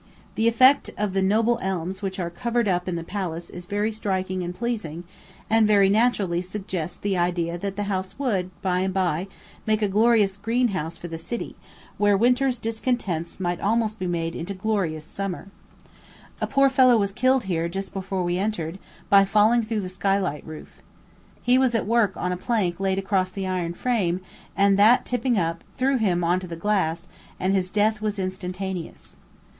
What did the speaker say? The effect of the noble elms which are covered up in the palace is very striking and pleasing, and very naturally suggests the idea that the house would, by and by, make a glorious green house for the city, where winter's discontents might be almost made into a "glorious summer." A poor fellow was killed here, just before we entered, by falling through the skylight roof. He was at work on a plank laid across the iron frame, and that tipping up, threw him on to the glass, and his death was instantaneous.